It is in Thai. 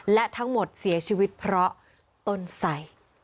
และทั้งหมดเสียชีวิตเพราะต้นใส